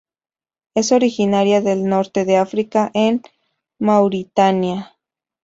Es originaria del Norte de África en Mauritania.